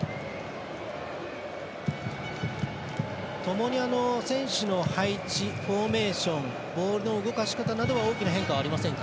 ともに選手の配置フォーメーションボールの動かし方は大きな変化はありませんか？